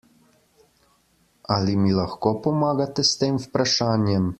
Ali mi lahko pomagate s tem vprašanjem?